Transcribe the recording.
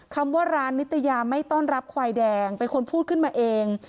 คำว่าร้านนิตยาไม่ต้อนรับควายแดงเป็นคนพูดขึ้นมาเอง